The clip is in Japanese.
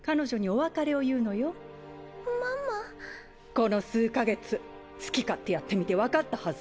この数か月好き勝手やってみて分かったはず。